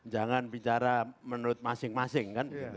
jangan bicara menurut masing masing kan